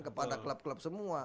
kepada klub klub semua